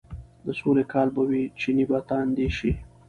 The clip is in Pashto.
د سولې کال به وي، چينې به تاندې شي،